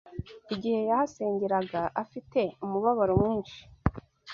igihe yahasengeraga afite umubabaro mwinshi